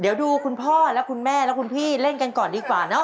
เดี๋ยวดูคุณพ่อและคุณแม่และคุณพี่เล่นกันก่อนดีกว่าเนาะ